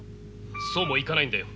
そうもいかないんだよ。